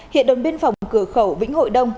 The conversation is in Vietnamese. hiện đồn biên phòng cửa khẩu vĩnh hội đông